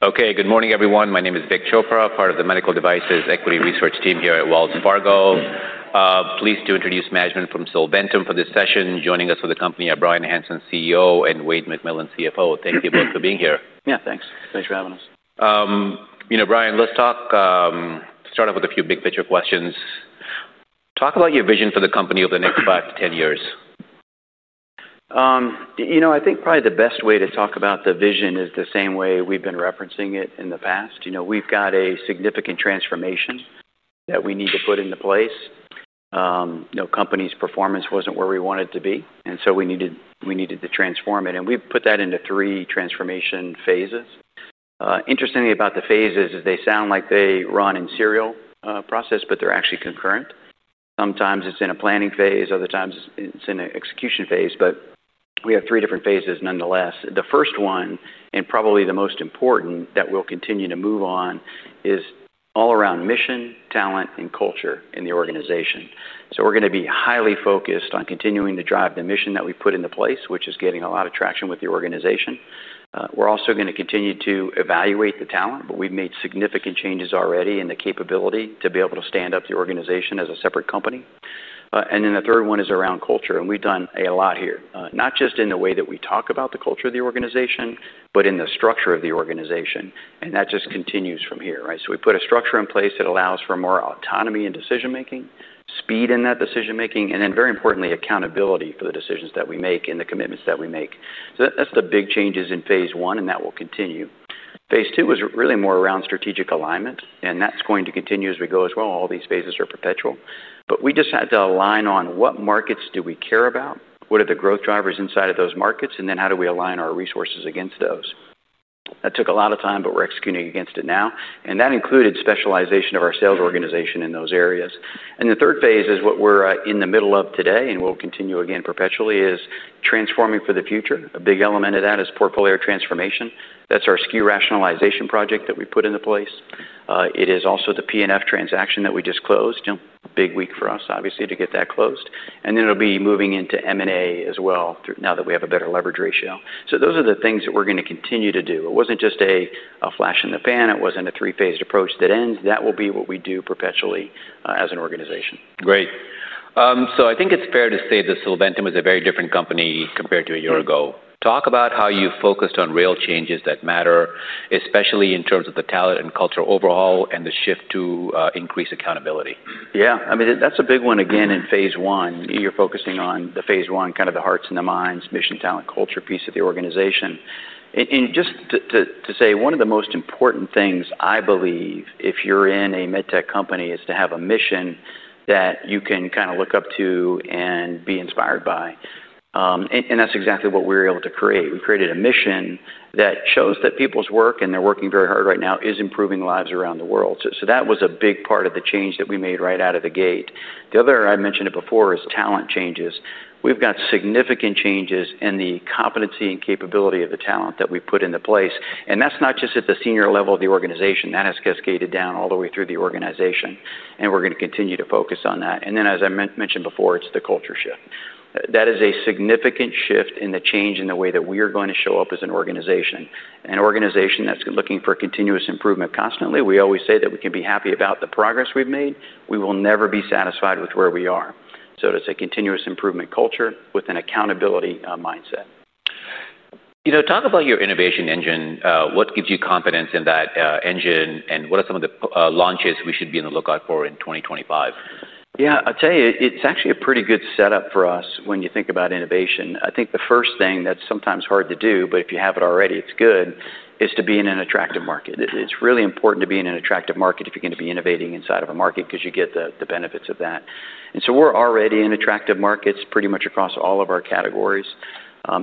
Okay, good morning, everyone. My name is Vik Chopra, part of the Medical Devices Equity Research team here at Wells Fargo. Pleased to introduce management from Solventum for this session. Joining us with the company are Bryan Hanson, CEO, and Wayde McMillan, CFO. Thank you both for being here. Yeah, thanks. Thanks for having us. Bryan, let's start off with a few big-picture questions. Talk about your vision for the company over the next five to 10 years. I think probably the best way to talk about the vision is the same way we've been referencing it in the past. We've got a significant transformation that we need to put into place. The company's performance wasn't where we wanted it to be, and we needed to transform it. We put that into three transformation phases. Interestingly about the phases is they sound like they run in a serial process, but they're actually concurrent. Sometimes it's in a planning phase, other times it's in an execution phase, but we have three different phases nonetheless. The first one, and probably the most important that we'll continue to move on, is all around mission, talent, and culture in the organization. We're going to be highly focused on continuing to drive the mission that we put into place, which is getting a lot of traction with the organization. We're also going to continue to evaluate the talent, but we've made significant changes already in the capability to be able to stand up the organization as a separate company. The third one is around culture, and we've done a lot here, not just in the way that we talk about the culture of the organization, but in the structure of the organization. That just continues from here, right? We put a structure in place that allows for more autonomy in decision-making, speed in that decision-making, and then, very importantly, accountability for the decisions that we make and the commitments that we make. That's the big changes in phase one, and that will continue. Phase two is really more around strategic alignment, and that's going to continue as we go as well. All these phases are perpetual. We just had to align on what markets do we care about, what are the growth drivers inside of those markets, and then how do we align our resources against those. That took a lot of time, but we're executing against it now. That included specialization of our sales organization in those areas. The third phase is what we're in the middle of today, and we'll continue again perpetually, is transforming for the future. A big element of that is portfolio transformation. That's our SKU rationalization project that we put into place. It is also the P&F transaction that we just closed. A big week for us, obviously, to get that closed. It'll be moving into M&A as well, now that we have a better leverage ratio. Those are the things that we're going to continue to do. It wasn't just a flash in the pan, it wasn't a three-phased approach that ends. That will be what we do perpetually as an organization. Great. I think it's fair to say that Solventum is a very different company compared to a year ago. Talk about how you focused on real changes that matter, especially in terms of the talent and culture overhaul and the shift to increased accountability. Yeah, I mean, that's a big one. In phase I, you're focusing on the phase one, kind of the hearts and the minds, mission, talent, culture piece of the organization. Just to say, one of the most important things I believe, if you're in a med tech company, is to have a mission that you can kind of look up to and be inspired by. That's exactly what we were able to create. We created a mission that shows that people's work, and they're working very hard right now, is improving lives around the world. That was a big part of the change that we made right out of the gate. The other, I mentioned it before, is talent changes. We've got significant changes in the competency and capability of the talent that we put into place. That's not just at the senior level of the organization, that has cascaded down all the way through the organization. We're going to continue to focus on that. As I mentioned before, it's the culture shift. That is a significant shift in the change in the way that we are going to show up as an organization. An organization that's looking for continuous improvement constantly. We always say that we can be happy about the progress we've made. We will never be satisfied with where we are. It's a continuous improvement culture with an accountability mindset. You know, talk about your innovation engine. What gives you confidence in that engine, and what are some of the launches we should be on the lookout for in 2025? Yeah, I'll tell you, it's actually a pretty good setup for us when you think about innovation. I think the first thing that's sometimes hard to do, but if you have it already, it's good, is to be in an attractive market. It's really important to be in an attractive market if you're going to be innovating inside of a market because you get the benefits of that. We're already in attractive markets pretty much across all of our categories.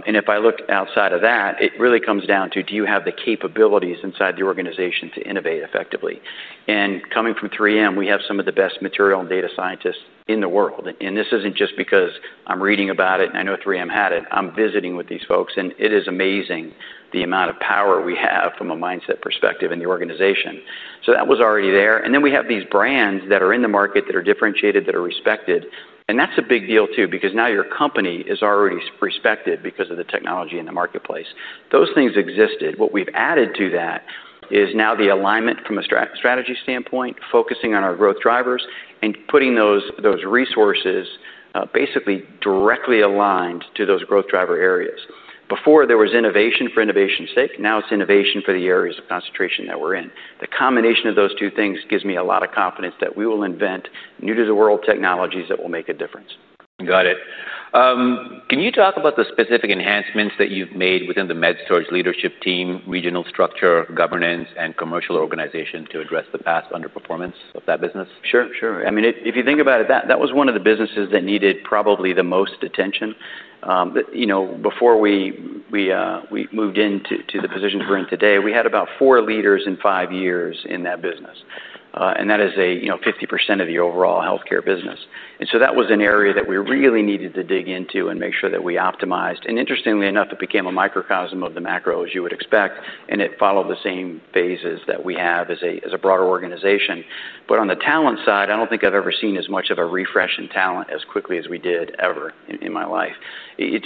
If I look outside of that, it really comes down to do you have the capabilities inside the organization to innovate effectively? Coming from 3M, we have some of the best material and data scientists in the world. This isn't just because I'm reading about it and I know 3M had it. I'm visiting with these folks and it is amazing the amount of power we have from a mindset perspective in the organization. That was already there. We have these brands that are in the market that are differentiated, that are respected. That's a big deal too, because now your company is already respected because of the technology in the marketplace. Those things existed. What we've added to that is now the alignment from a strategy standpoint, focusing on our growth drivers and putting those resources basically directly aligned to those growth driver areas. Before, there was innovation for innovation's sake. Now it's innovation for the areas of concentration that we're in. The combination of those two things gives me a lot of confidence that we will invent new-to-the-world technologies that will make a difference. Got it. Can you talk about the specific enhancements that you've made within the MedSurg leadership team, regional structure, governance, and commercial organization to address the past underperformance of that business? Sure. I mean, if you think about it, that was one of the businesses that needed probably the most attention. Before we moved into the position we're in today, we had about four leaders in five years in that business. That is 50% of the overall healthcare business. That was an area that we really needed to dig into and make sure that we optimized. Interestingly enough, it became a microcosm of the macro, as you would expect. It followed the same phases that we have as a broader organization. On the talent side, I don't think I've ever seen as much of a refresh in talent as quickly as we did ever in my life. It's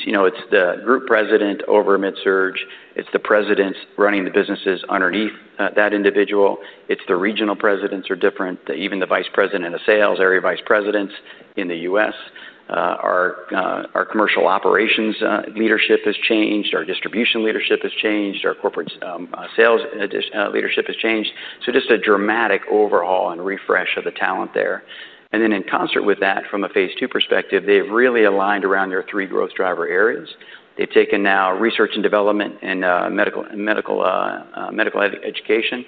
the Group President over MedSurg. It's the presidents running the businesses underneath that individual. The regional presidents are different. Even the Vike President and the Sales Area Vike Presidents in the U.S. Our commercial operations leadership has changed. Our distribution leadership has changed. Our corporate sales leadership has changed. Just a dramatic overhaul and refresh of the talent there. In concert with that, from a phase two perspective, they've really aligned around their three growth driver areas. They've taken now research and development and medical education.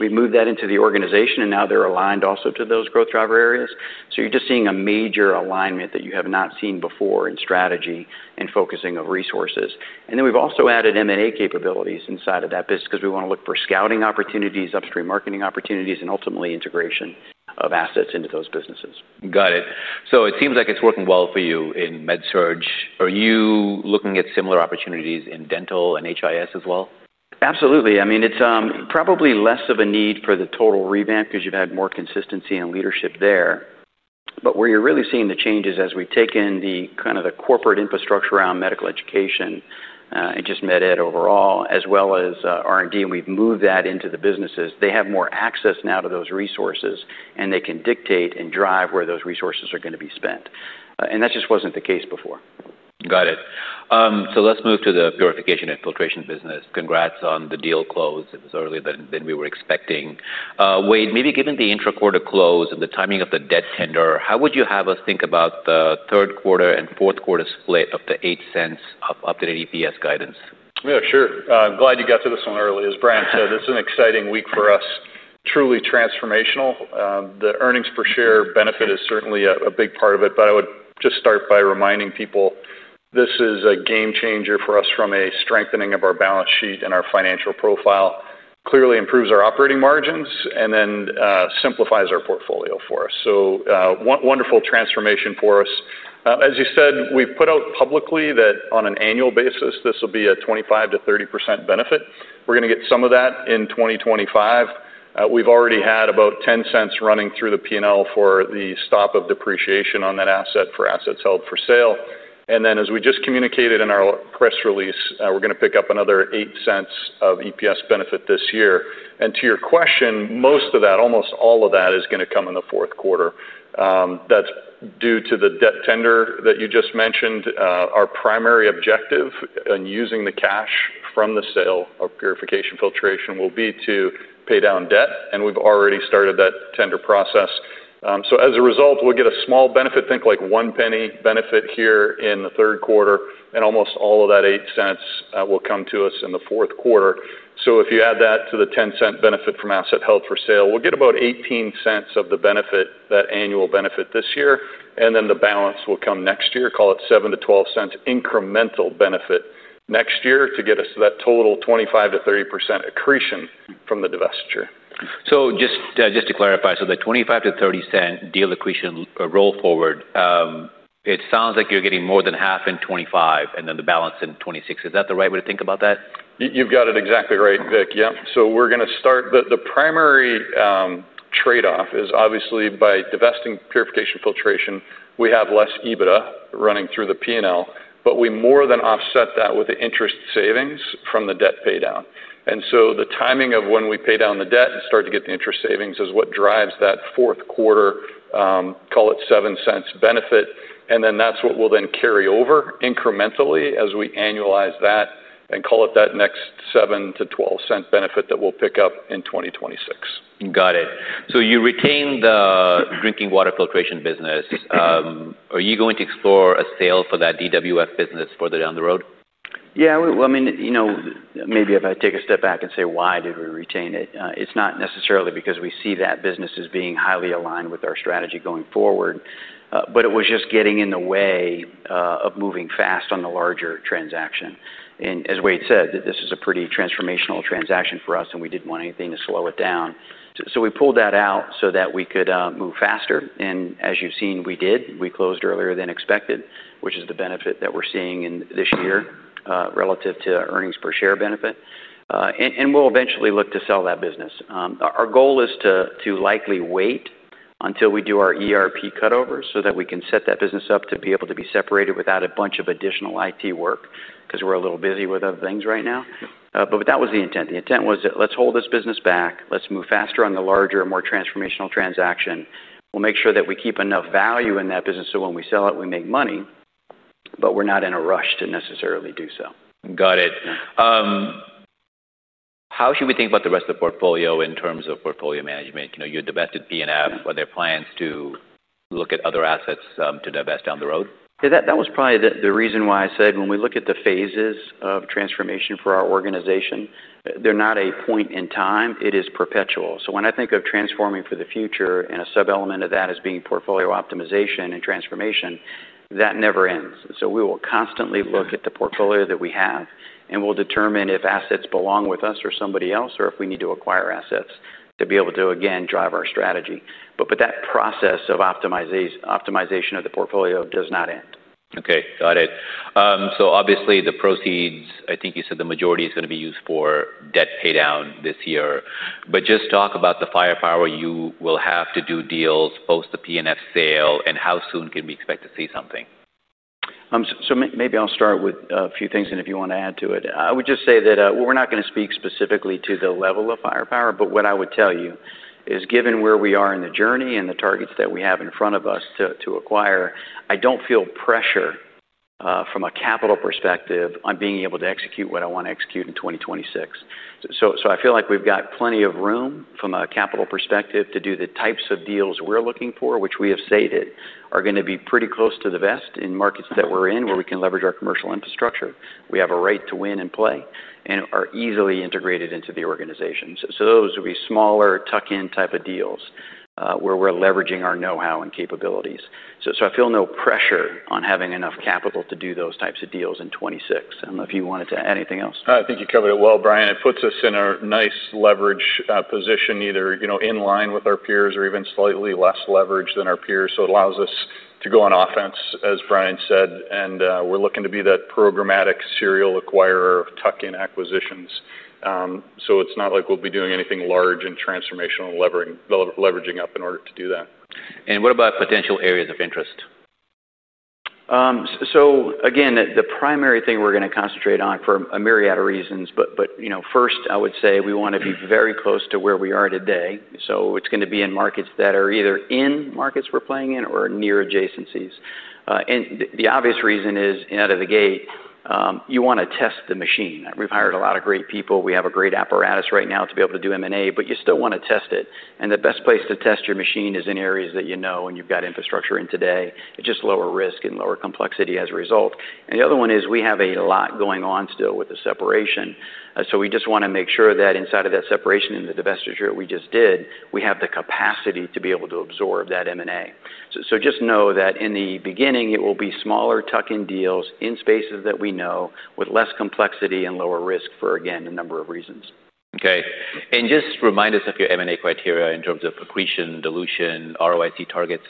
We've moved that into the organization and now they're aligned also to those growth driver areas. You're just seeing a major alignment that you have not seen before in strategy and focusing of resources. We've also added M&A capabilities inside of that business because we want to look for scouting opportunities, upstream marketing opportunities, and ultimately integration of assets into those businesses. Got it. It seems like it's working well for you in MedSurg. Are you looking at similar opportunities in dental and HIS as well? Absolutely. I mean, it's probably less of a need for the total revamp because you've had more consistency in leadership there. Where you're really seeing the changes is we've taken the kind of the corporate infrastructure around medical education and just med ed overall, as well as R&D, and we've moved that into the businesses. They have more access now to those resources, and they can dictate and drive where those resources are going to be spent. That just wasn't the case before. Got it. Let's move to the purification and filtration business. Congrats on the deal close. It was earlier than we were expecting. Wayde, maybe given the intra-quarter close and the timing of the debt tender, how would you have us think about the third quarter and fourth quarter split of the $0.08 of updated EPS guidance? Yeah, sure. Glad you got to this one early, as Bryan said, it's an exciting week for us. Truly transformational. The earnings per share benefit is certainly a big part of it, but I would just start by reminding people this is a game changer for us from a strengthening of our balance sheet and our financial profile. Clearly improves our operating margins and then simplifies our portfolio for us. Wonderful transformation for us. As you said, we've put out publicly that on an annual basis, this will be a 25%- 30% benefit. We're going to get some of that in 2025. We've already had about $0.10 running through the P&L for the stop of depreciation on that asset for assets held for sale. As we just communicated in our press release, we're going to pick up another $0.08 of EPS benefit this year. To your question, most of that, almost all of that is going to come in the fourth quarter. That's due to the debt tender that you just mentioned. Our primary objective in using the cash from the sale of purification filtration will be to pay down debt, and we've already started that tender process. As a result, we'll get a small benefit, think like $0.01 benefit here in the third quarter, and almost all of that $0.08 will come to us in the fourth quarter. If you add that to the $0.10 benefit from asset held for sale, we'll get about $0.18 of the benefit, that annual benefit this year, and then the balance will come next year, call it $0.07- $0.12 incremental benefit next year to get us to that total 25%- 30% accretion from the divestiture. Just to clarify, the 25%- 30% deal accretion roll forward, it sounds like you're getting more than half in 2025 and then the balance in 2026. Is that the right way to think about that? You've got it exactly right, Vik. Yep. We're going to start. The primary trade-off is obviously by divesting purification filtration. We have less EBITDA running through the P&L, but we more than offset that with the interest savings from the debt paydown. The timing of when we pay down the debt and start to get the interest savings is what drives that fourth quarter, call it $0.07 benefit. That's what we'll then carry over incrementally as we annualize that and call it that next $0.07- $0.12 benefit that we'll pick up in 2026. Got it. You retain the drinking water filtration business. Are you going to explore a sale for that DWF business further down the road? Yeah, I mean, maybe if I take a step back and say why did we retain it, it's not necessarily because we see that business as being highly aligned with our strategy going forward, but it was just getting in the way of moving fast on the larger transaction. As Wayde said, this is a pretty transformational transaction for us and we didn't want anything to slow it down. We pulled that out so that we could move faster. As you've seen, we did. We closed earlier than expected, which is the benefit that we're seeing in this year, relative to earnings per share benefit. We'll eventually look to sell that business. Our goal is to likely wait until we do our ERP cutover so that we can set that business up to be able to be separated without a bunch of additional IT work because we're a little busy with other things right now. That was the intent. The intent was that let's hold this business back. Let's move faster on the larger, more transformational transaction. We'll make sure that we keep enough value in that business so when we sell it, we make money, but we're not in a rush to necessarily do so. Got it. How should we think about the rest of the portfolio in terms of portfolio management? You know, you divested P&F. Are there plans to look at other assets to divest down the road? Yeah, that was probably the reason why I said when we look at the phases of transformation for our organization, they're not a point in time. It is perpetual. When I think of transforming for the future and a sub-element of that is being portfolio optimization and transformation, that never ends. We will constantly look at the portfolio that we have and we'll determine if assets belong with us or somebody else or if we need to acquire assets to be able to again drive our strategy. That process of optimization of the portfolio does not end. Okay, got it. So obviously the proceeds, I think you said the majority is going to be used for debt paydown this year, but just talk about the firepower you will have to do deals post the P&F sale and how soon can we expect to see something. Maybe I'll start with a few things, and if you want to add to it. I would just say that we're not going to speak specifically to the level of firepower, but what I would tell you is given where we are in the journey and the targets that we have in front of us to acquire, I don't feel pressure from a capital perspective on being able to execute what I want to execute in 2026. I feel like we've got plenty of room from a capital perspective to do the types of deals we're looking for, which we have stated are going to be pretty close to the best in markets that we're in where we can leverage our commercial infrastructure. We have a right to win and play and are easily integrated into the organization. Those would be smaller tuck-in type of deals where we're leveraging our know-how and capabilities. I feel no pressure on having enough capital to do those types of deals in 2026. I don't know if you wanted to add anything else. I think you covered it well, Bryan. It puts us in a nice leverage position, either in line with our peers or even slightly less leverage than our peers. It allows us to go on offense, as Bryan said, and we're looking to be that programmatic serial acquirer, tuck-in acquisitions. It's not like we'll be doing anything large and transformational and leveraging up in order to do that. What about potential areas of interest? Again, the primary thing we're going to concentrate on for a myriad of reasons, but, you know, first I would say we want to be very close to where we are today. It's going to be in markets that are either in markets we're playing in or near adjacencies. The obvious reason is out of the gate, you want to test the machine. We've hired a lot of great people. We have a great apparatus right now to be able to do M&A, but you still want to test it. The best place to test your machine is in areas that you know and you've got infrastructure in today. It's just lower risk and lower complexity as a result. The other one is we have a lot going on still with the separation. We just want to make sure that inside of that separation in the divestiture we just did, we have the capacity to be able to absorb that M&A. Just know that in the beginning, it will be smaller tuck-in deals in spaces that we know with less complexity and lower risk for, again, a number of reasons. Okay, just remind us of your M&A criteria in terms of accretion, dilution, ROIC targets.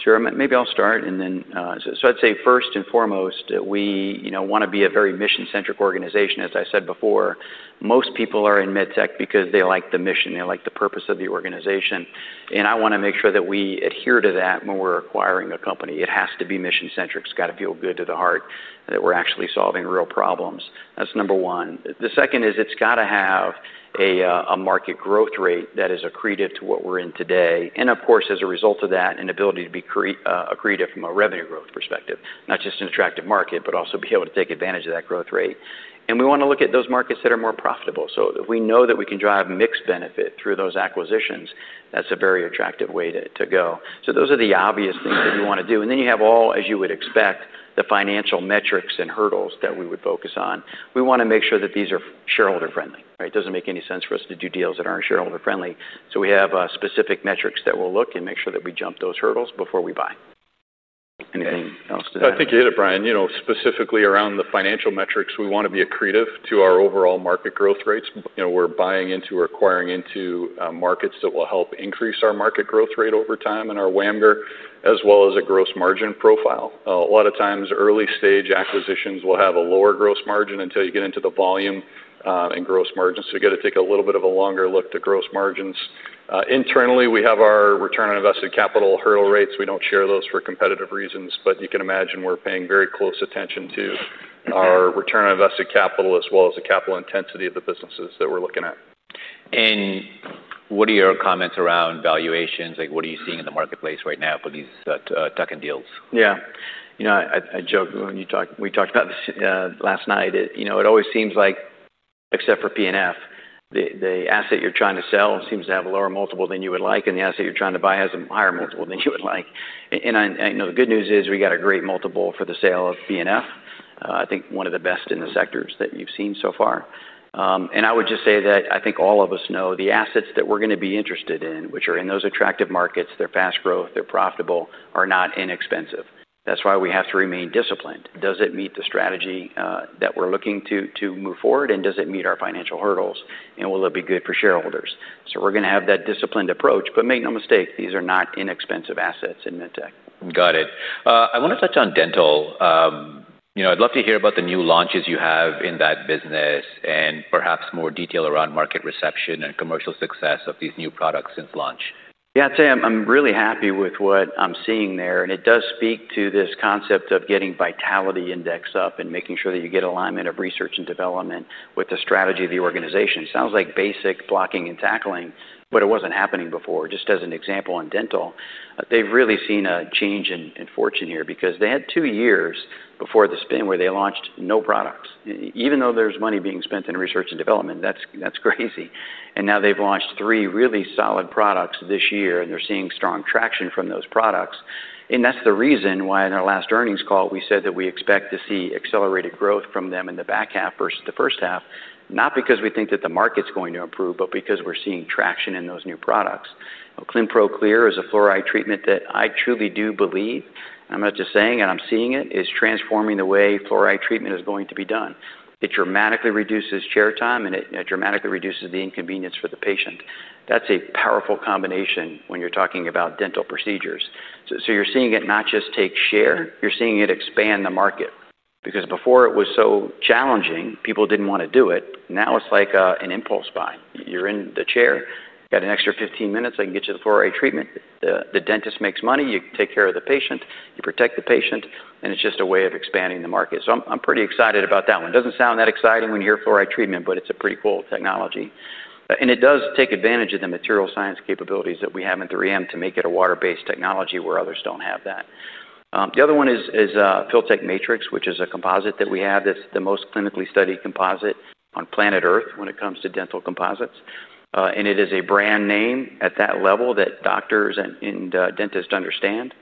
Sure. Maybe I'll start. I'd say first and foremost, we want to be a very mission-centric organization. As I said before, most people are in med tech because they like the mission, they like the purpose of the organization. I want to make sure that we adhere to that when we're acquiring a company. It has to be mission-centric. It's got to feel good to the heart that we're actually solving real problems. That's number one. The second is it's got to have a market growth rate that is accretive to what we're in today. Of course, as a result of that, an ability to be accretive from a revenue growth perspective, not just an attractive market, but also be able to take advantage of that growth rate. We want to look at those markets that are more profitable. If we know that we can drive mixed benefit through those acquisitions, that's a very attractive way to go. Those are the obvious things that we want to do. You have all, as you would expect, the financial metrics and hurdles that we would focus on. We want to make sure that these are shareholder-friendly. It doesn't make any sense for us to do deals that aren't shareholder-friendly. We have specific metrics that we'll look and make sure that we jump those hurdles before we buy. Anything else to add? I think you hit it, Bryan. Specifically around the financial metrics, we want to be accretive to our overall market growth rates. We're buying into or acquiring into markets that will help increase our market growth rate over time and our WAMGR, as well as a gross margin profile. A lot of times, early-stage acquisitions will have a lower gross margin until you get into the volume and gross margins, so you've got to take a little bit of a longer look to gross margins. Internally, we have our return on invested capital hurdle rates. We don't share those for competitive reasons, but you can imagine we're paying very close attention to our return on invested capital, as well as the capital intensity of the businesses that we're looking at. What are your comments around valuations? What are you seeing in the marketplace right now for these tuck-in deals? Yeah. I joke when we talked about this last night. It always seems like, except for P&F, the asset you're trying to sell seems to have a lower multiple than you would like, and the asset you're trying to buy has a higher multiple than you would like. I know the good news is we got a great multiple for the sale of P&F. I think one of the best in the sectors that you've seen so far. I would just say that I think all of us know the assets that we're going to be interested in, which are in those attractive markets, they're fast growth, they're profitable, are not inexpensive. That's why we have to remain disciplined. Does it meet the strategy that we're looking to move forward? Does it meet our financial hurdles? Will it be good for shareholders? We're going to have that disciplined approach, but make no mistake, these are not inexpensive assets in med tech. Got it. I want to touch on dental. I'd love to hear about the new launches you have in that business and perhaps more detail around market reception and commercial success of these new products since launch. Yeah, I'd say I'm really happy with what I'm seeing there. It does speak to this concept of getting vitality index up and making sure that you get alignment of research and development with the strategy of the organization. It sounds like basic blocking and tackling, but it wasn't happening before. Just as an example, in dental, they've really seen a change in fortune here because they had two years before the spin where they launched no products. Even though there's money being spent in research and development, that's crazy. Now they've launched three really solid products this year, and they're seeing strong traction from those products. That's the reason why in our last earnings call we said that we expect to see accelerated growth from them in the back half versus the first half. Not because we think that the market's going to improve, but because we're seeing traction in those new products. Clinpro Clear i s a fluoride treatment that I truly do believe, and I'm not just saying it, I'm seeing it, is transforming the way fluoride treatment is going to be done. It dramatically reduces chair time, and it dramatically reduces the inconvenience for the patient. That's a powerful combination when you're talking about dental procedures. You're seeing it not just take share, you're seeing it expand the market. Before it was so challenging, people didn't want to do it. Now it's like an impulse buy. You're in the chair, got an extra 15 minutes, I can get you the fluoride treatment. The dentist makes money, you take care of the patient, you protect the patient, and it's just a way of expanding the market. I'm pretty excited about that one. It doesn't sound that exciting when you hear fluoride treatment, but it's a pretty cool technology. It does take advantage of the material science capabilities that we have in 3M to make it a water-based technology where others don't have that. The other one is Filtek Matrix, which is a composite that we have. That's the most clinically studied composite on planet Earth when it comes to dental composites. It is a brand name at that level that doctors and dentists understand.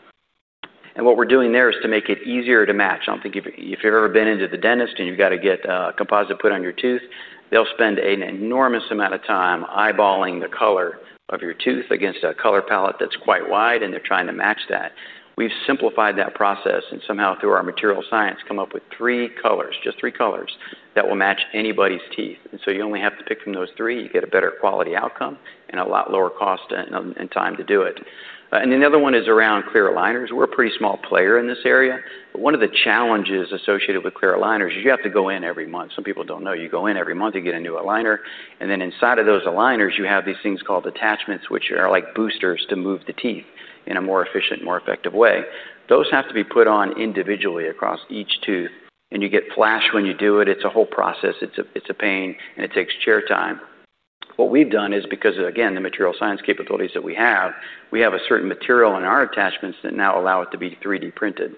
What we're doing there is to make it easier to match. I don't think if you've ever been into the dentist and you've got to get a composite put on your tooth, they'll spend an enormous amount of time eyeballing the color of your tooth against a color palette that's quite wide, and they're trying to match that. We've simplified that process and somehow through our material science come up with three colors, just three colors that will match anybody's teeth. You only have to pick from those three, you get a better quality outcome and a lot lower cost and time to do it. The other one is around clear aligners. We're a pretty small player in this area. One of the challenges associated with clear aligners is you have to go in every month. Some people don't know you go in every month, you get a new aligner. Inside of those aligners, you have these things called attachments, which are like boosters to move the teeth in a more efficient and more effective way. Those have to be put on individually across each tooth. You get flash when you do it. It's a whole process. It's a pain, and it takes chair time. What we've done is because, again, the material science capabilities that we have, we have a certain material in our attachments that now allow it to be 3D printed.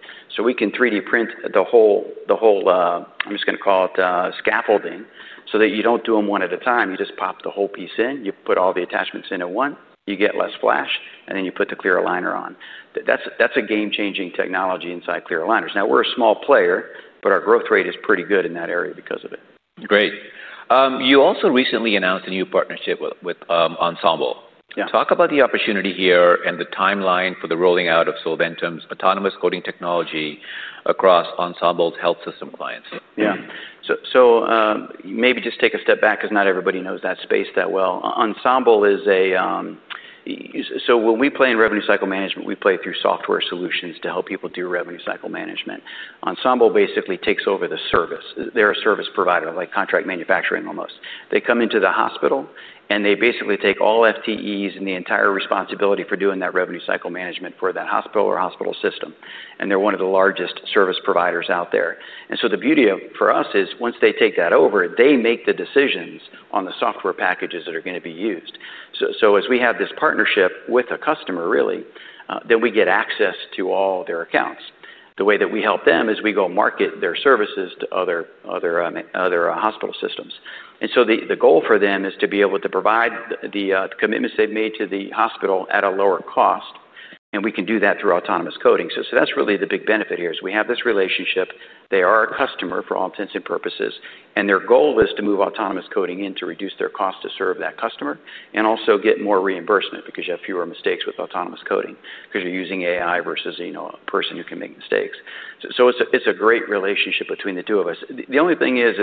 We can 3D print the whole, the whole, I'm just going to call it scaffolding so that you don't do them one at a time. You just pop the whole piece in, you put all the attachments in at once, you get less flash, and then you put the clear aligner on. That's a game-changing technology inside clear aligners. We're a small player, but our growth rate is pretty good in that area because of it. Great. You also recently announced a new partnership with Ensemble. Talk about the opportunity here and the timeline for the rolling out of Solventum's autonomous coding technology across Ensemble's health system clients. Yeah. Maybe just take a step back because not everybody knows that space that well. Ensemble is a, so when we play in revenue cycle management, we play through software solutions to help people do revenue cycle management. Ensemble basically takes over the service. They're a service provider, like contract manufacturing almost. They come into the hospital and they basically take all FTEs and the entire responsibility for doing that revenue cycle management for that hospital or hospital system. They're one of the largest service providers out there. The beauty for us is once they take that over, they make the decisions on the software packages that are going to be used. As we have this partnership with a customer, really, then we get access to all their accounts. The way that we help them is we go market their services to other hospital systems. The goal for them is to be able to provide the commitments they've made to the hospital at a lower cost. We can do that through autonomous coding. That's really the big benefit here is we have this relationship. They are a customer for all intents and purposes. Their goal is to move autonomous coding in to reduce their cost to serve that customer and also get more reimbursement because you have fewer mistakes with autonomous coding because you're using AI versus, you know, a person who can make mistakes. It's a great relationship between the two of us. The only thing is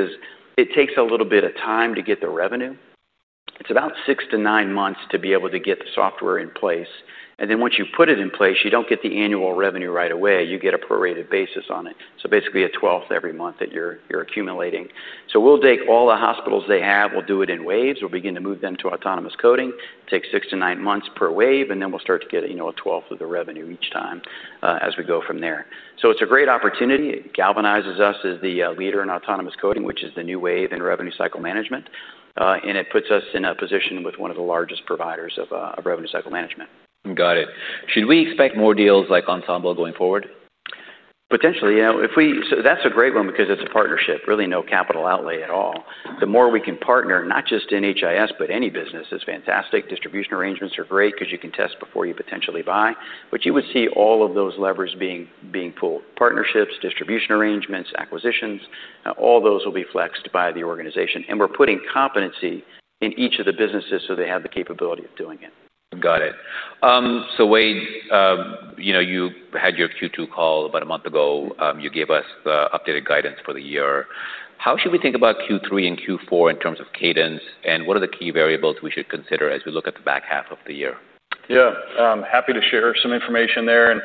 it takes a little bit of time to get the revenue. It's about six to nine months to be able to get the software in place. Once you put it in place, you don't get the annual revenue right away. You get a prorated basis on it, basically 1/12 every month that you're accumulating. We'll take all the hospitals they have. We'll do it in waves. We'll begin to move them to autonomous coding. Take six to nine months per wave, and then we'll start to get 1/12 of the revenue each time as we go from there. It's a great opportunity. It galvanizes us as the leader in autonomous coding, which is the new wave in revenue cycle management. It puts us in a position with one of the largest providers of revenue cycle management. Got it. Should we expect more deals like Ensemble going forward? Potentially, if we, that's a great one because it's a partnership, really no capital outlay at all. The more we can partner, not just in HIS, but any business is fantastic. Distribution arrangements are great because you can test before you potentially buy. You would see all of those levers being pulled. Partnerships, distribution arrangements, acquisitions, all those will be flexed by the organization. We're putting competency in each of the businesses so they have the capability of doing it. Got it. So Wayde, you know, you had your Q2 call about a month ago. You gave us the updated guidance for the year. How should we think about Q3 and Q4 in terms of cadence, and what are the key variables we should consider as we look at the back half of the year? Yeah, I'm happy to share some information there.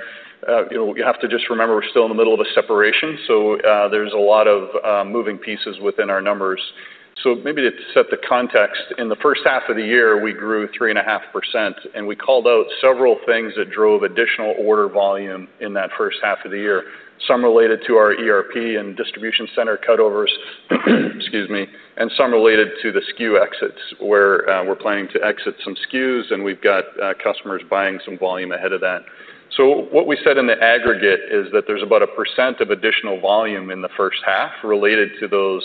You have to just remember we're still in the middle of a separation. There's a lot of moving pieces within our numbers. Maybe to set the context, in the first half of the year, we grew 3.5%. We called out several things that drove additional order volume in that first half of the year, some related to our ERP and distribution center cutovers, excuse me, and some related to the SKU exits where we're planning to exit some SKUs and we've got customers buying some volume ahead of that. What we said in the aggregate is that there's about 1% of additional volume in the first half related to those,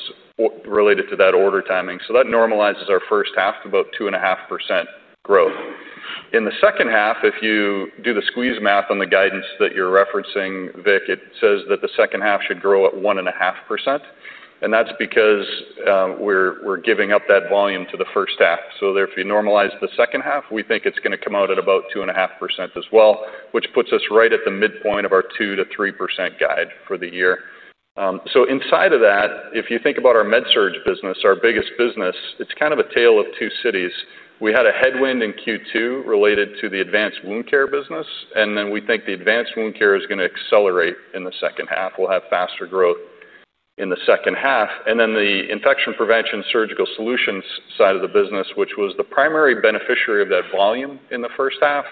related to that order timing. That normalizes our first half to about 2.5% growth. In the second half, if you do the squeeze math on the guidance that you're referencing, Vik, it says that the second half should grow at 1.5%. That's because we're giving up that volume to the first half. If you normalize the second half, we think it's going to come out at about 2.5% as well, which puts us right at the midpoint of our 2%- 3% guide for the year. Inside of that, if you think about our MedSurg business, our biggest business, it's kind of a tale of two cities. We had a headwind in Q2 related to the advanced wound care business. We think the advanced wound care is going to accelerate in the second half. We'll have faster growth in the second half. The infection prevention surgical solutions side of the business, which was the primary beneficiary of that volume in the first half,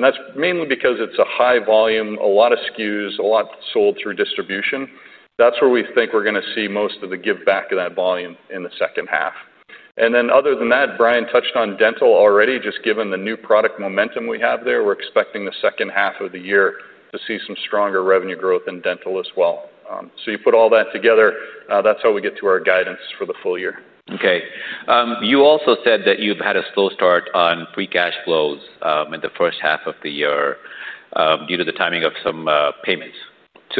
that's mainly because it's a high volume, a lot of SKUs, a lot sold through distribution. That's where we think we're going to see most of the give-back of that volume in the second half. Other than that, Bryan touched on dental already. Just given the new product momentum we have there, we're expecting the second half of the year to see some stronger revenue growth in dental as well. You put all that together, that's how we get to our guidance for the full year. Okay. You also said that you've had a slow start on free cash flows in the first half of the year, due to the timing of some payments.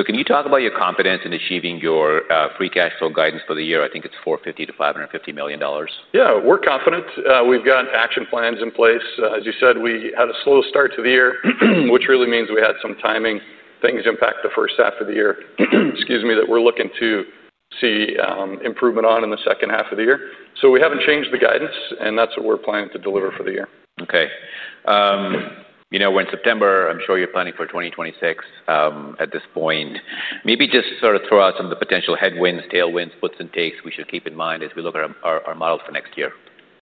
Can you talk about your confidence in achieving your free cash flow guidance for the year? I think it's $450 million- $550 million. Yeah, we're confident. We've got action plans in place. As you said, we had a slow start to the year, which really means we had some timing things impact the first half of the year that we're looking to see improvement on in the second half of the year. We haven't changed the guidance, and that's what we're planning to deliver for the year. Okay. You know, in September, I'm sure you're planning for 2026 at this point. Maybe just sort of throw out some of the potential headwinds, tailwinds, puts and takes we should keep in mind as we look at our model for next year.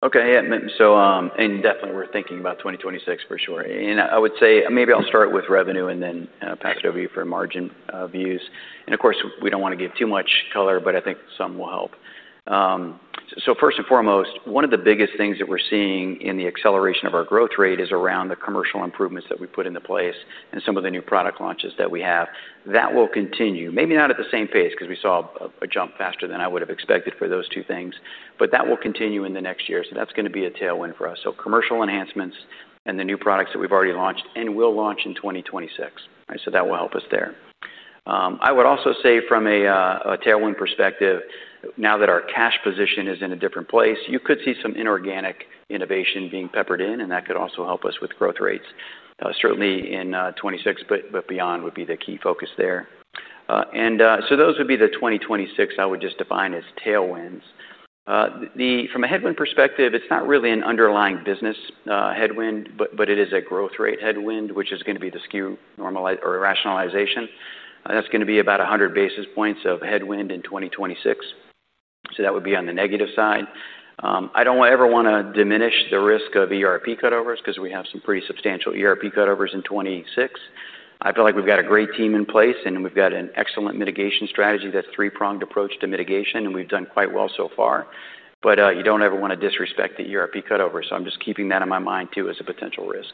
Okay. Yeah. Definitely we're thinking about 2026 for sure. I would say maybe I'll start with revenue and then pass it over to you for margin views. Of course, we don't want to give too much color, but I think some will help. First and foremost, one of the biggest things that we're seeing in the acceleration of our growth rate is around the commercial improvements that we put into place and some of the new product launches that we have. That will continue, maybe not at the same pace, because we saw a jump faster than I would have expected for those two things, but that will continue in the next year. That's going to be a tailwind for us. Commercial enhancements and the new products that we've already launched and will launch in 2026 will help us there. I would also say from a tailwind perspective, now that our cash position is in a different place, you could see some inorganic innovation being peppered in, and that could also help us with growth rates. Certainly in 2026, but beyond would be the key focus there. Those would be the 2026, I would just define as tailwinds. From a headwind perspective, it's not really an underlying business headwind, but it is a growth rate headwind, which is going to be the SKU rationalization. That's going to be about 100 basis points of headwind in 2026. That would be on the negative side. I don't ever want to diminish the risk of ERP cutovers because we have some pretty substantial ERP cutovers in 2026. I feel like we've got a great team in place and we've got an excellent mitigation strategy, that three-pronged approach to mitigation, and we've done quite well so far. You don't ever want to disrespect the ERP cutover. I'm just keeping that in my mind too as a potential risk.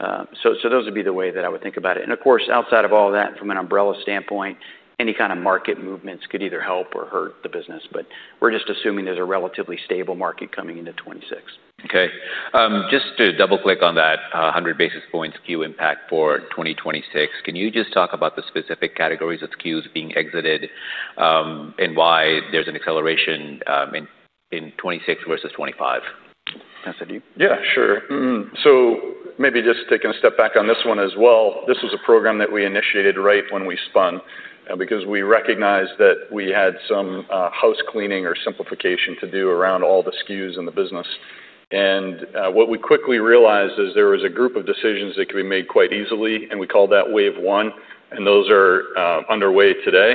Those would be the way that I would think about it. Of course, outside of all that, from an umbrella standpoint, any kind of market movements could either help or hurt the business. We're just assuming there's a relatively stable market coming into 2026. Okay. Just to double click on that 100 basis points SKU impact for 2026, can you just talk about the specific categories of SKUs being exited, and why there's an acceleration in 2026 versus 2025? Yeah, sure. Maybe just taking a step back on this one as well, this was a program that we initiated right when we spun because we recognized that we had some house cleaning or simplification to do around all the SKUs in the business. What we quickly realized is there was a group of decisions that could be made quite easily, and we called that wave one, and those are underway today.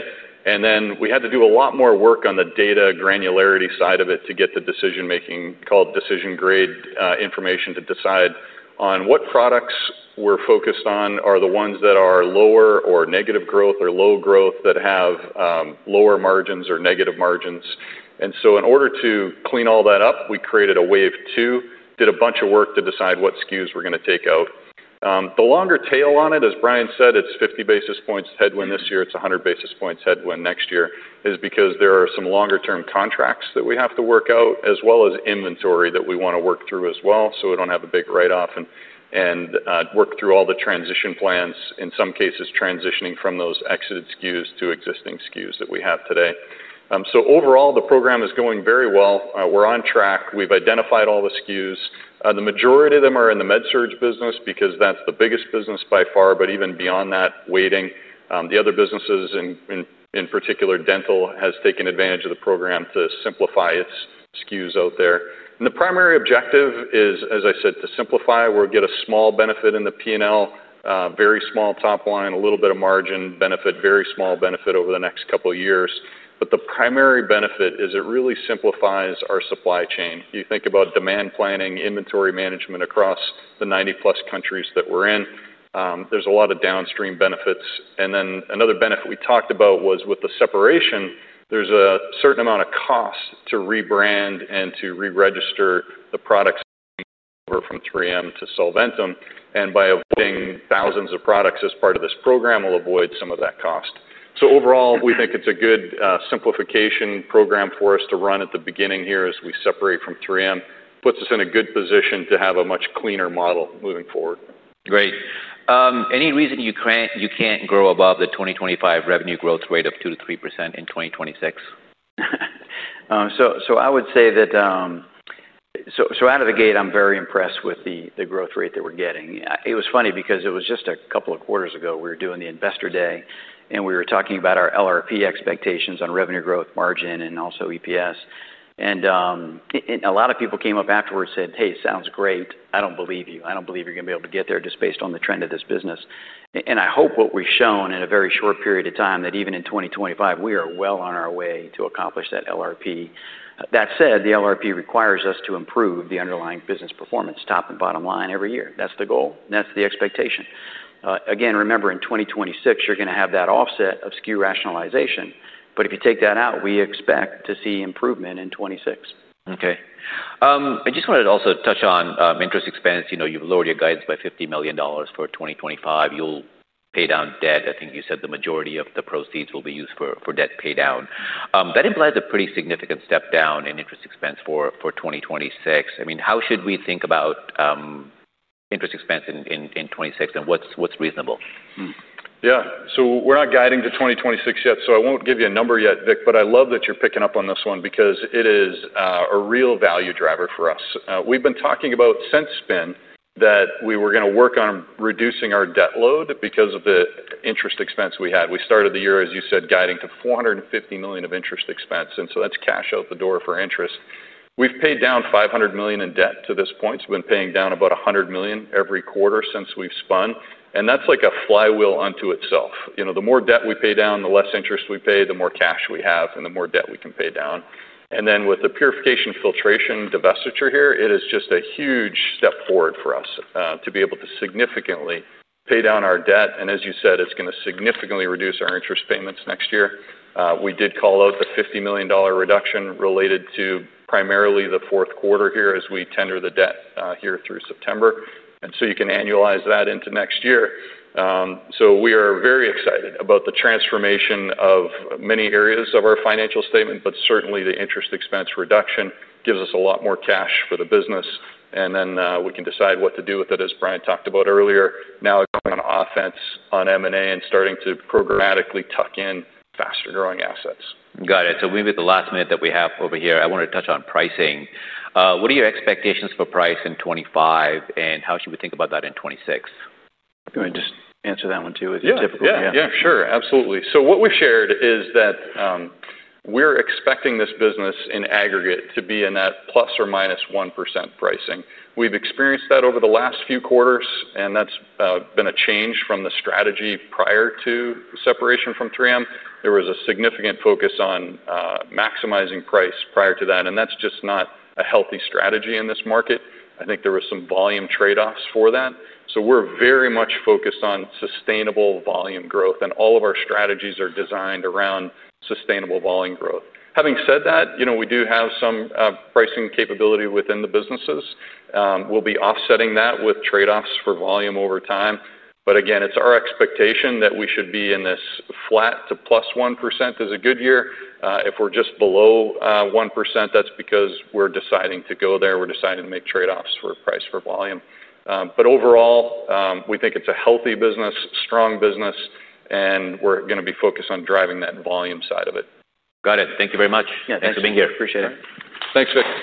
We had to do a lot more work on the data granularity side of it to get the decision-making, called decision-grade information, to decide on what products we're focused on, the ones that are lower or negative growth or low growth that have lower margins or negative margins. In order to clean all that up, we created a wave two, did a bunch of work to decide what SKUs we're going to take out. The longer tail on it, as Bryan said, it's 50 basis points headwind this year, it's 100 basis points headwind next year, is because there are some longer-term contracts that we have to work out, as well as inventory that we want to work through as well. We don't have a big write-off and work through all the transition plans, in some cases transitioning from those exited SKUs to existing SKUs that we have today. Overall, the program is going very well. We're on track. We've identified all the SKUs. The majority of them are in the MedSurg business because that's the biggest business by far, but even beyond that, waiting. The other businesses, in particular dental, have taken advantage of the program to simplify its SKUs out there. The primary objective is, as I said, to simplify. We'll get a small benefit in the P&L, a very small top line, a little bit of margin benefit, very small benefit over the next couple of years. The primary benefit is it really simplifies our supply chain. You think about demand planning, inventory management across the 90+ countries that we're in. There's a lot of downstream benefits. Another benefit we talked about was with the separation, there's a certain amount of cost to rebrand and to re-register the products over from 3M to Solventum. By opening thousands of products as part of this program, we'll avoid some of that cost. Overall, we think it's a good simplification program for us to run at the beginning here as we separate from 3M. It puts us in a good position to have a much cleaner model moving forward. Great. Any reason you can't grow above the 2025 revenue growth rate of 2%- 3% in 2026? I would say that out of the gate, I'm very impressed with the growth rate that we're getting. It was funny because it was just a couple of quarters ago, we were doing the investor day and we were talking about our LRP expectations on revenue growth, margin, and also EPS. A lot of people came up afterwards and said, "Hey, sounds great. I don't believe you. I don't believe you're going to be able to get there just based on the trend of this business." I hope what we've shown in a very short period of time is that even in 2025, we are well on our way to accomplish that LRP. That said, the LRP requires us to improve the underlying business performance, top and bottom line every year. That's the goal. That's the expectation. Again, remember in 2026, you're going to have that offset of SKU rationalization. If you take that out, we expect to see improvement in 2026. Okay. I just wanted to also touch on interest expense. You've lowered your guidance by $50 million for 2025. You'll pay down debt. I think you said the majority of the proceeds will be used for debt paydown. That implies a pretty significant step down in interest expense for 2026. How should we think about interest expense in 2026 and what's reasonable? Yeah, we're not guiding to 2026 yet. I won't give you a number yet, Vik, but I love that you're picking up on this one because it is a real value driver for us. We've been talking about since spin that we were going to work on reducing our debt load because of the interest expense we had. We started the year, as you said, guiding to $450 million of interest expense, and that's cash out the door for interest. We've paid down $500 million in debt to this point. We've been paying down about $100 million every quarter since we've spun. That's like a flywheel unto itself. The more debt we pay down, the less interest we pay, the more cash we have, and the more debt we can pay down. With the purification filtration divestiture here, it is just a huge step forward for us to be able to significantly pay down our debt. As you said, it's going to significantly reduce our interest payments next year. We did call out the $50 million reduction related to primarily the fourth quarter here as we tender the debt here through September, and you can annualize that into next year. We are very excited about the transformation of many areas of our financial statement, but certainly the interest expense reduction gives us a lot more cash for the business. We can decide what to do with it, as Bryan talked about earlier. Now it's going on offense on M&A and starting to programmatically tuck in faster growing assets. Got it. We've hit the last minute that we have over here. I wanted to touch on pricing. What are your expectations for price in 2025 and how should we think about that in 2026? Can I just answer that one too? Yeah, yeah, sure, absolutely. What we've shared is that we're expecting this business in aggregate to be in that plus or - 1% pricing. We've experienced that over the last few quarters, and that's been a change from the strategy prior to separation from 3M. There was a significant focus on maximizing price prior to that, and that's just not a healthy strategy in this market. I think there were some volume trade-offs for that. We are very much focused on sustainable volume growth, and all of our strategies are designed around sustainable volume growth. Having said that, we do have some pricing capability within the businesses. We'll be offsetting that with trade-offs for volume over time. Again, it's our expectation that we should be in this flat to +1 % is a good year. If we're just below 1%, that's because we're deciding to go there. We're deciding to make trade-offs for price for volume. Overall, we think it's a healthy business, strong business, and we're going to be focused on driving that volume side of it. Got it. Thank you very much. Yeah, thanks for being here. Appreciate it. Thanks, Vik.